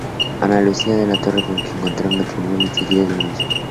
Ana Lucía de la Torre, con quien contrae matrimonio en segundas nupcias.